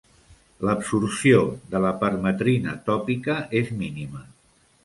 L'absorció de la permetrina tòpica es mínima.